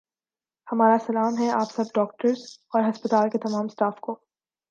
ہمارا سلام ہے آپ سب ڈاکٹرس اور ہسپتال کے تمام سٹاف کو